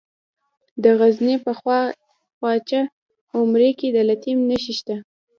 د غزني په خواجه عمري کې د لیتیم نښې شته.